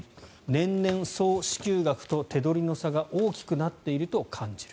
年々、総支給額と手取りの差が大きくなっていると感じる。